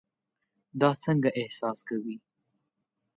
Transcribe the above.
دا څنګه احساس کوي؟